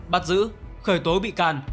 bắt giữ khởi tố bị can